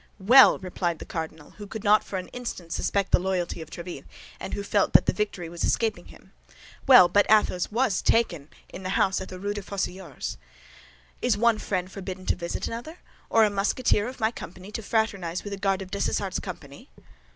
"Well," replied the cardinal, who could not for an instant suspect the loyalty of Tréville, and who felt that the victory was escaping him, "well, but Athos was taken in the house in the Rue des Fossoyeurs." "Is one friend forbidden to visit another, or a Musketeer of my company to fraternize with a Guard of Dessessart's company?"